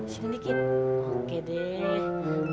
sini dikit oke deh